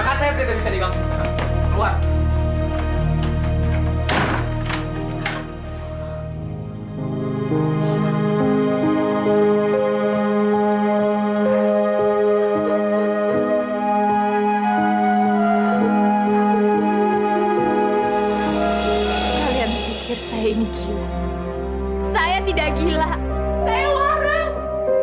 kalian berpikir saya ini gila saya tidak gila saya waras